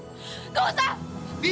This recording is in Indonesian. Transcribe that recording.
biar minggir kalian semua